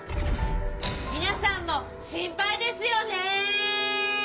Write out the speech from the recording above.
皆さんも心配ですよね！